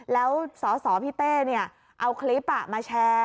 แล้วสสพิเต้เนี่ยเอาคลิปมาแชร์